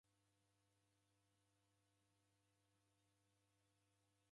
Nachi namghorieghe ukanimenya.